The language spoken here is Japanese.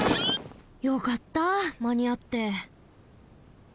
よかったまにあって。